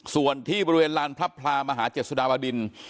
ส่วนที่บริเวณลานพระพลามหาเจษฎาบดิน